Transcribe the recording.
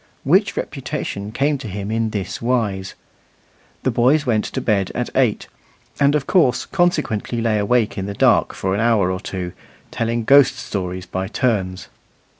Which reputation came to him in this wise. The boys went to bed at eight, and, of course, consequently lay awake in the dark for an hour or two, telling ghost stories by turns.